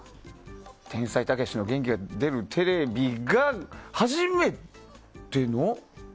「天才・たけしの元気が出るテレビ！！」が初めての。